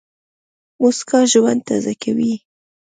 موسکا ژوند تازه کوي.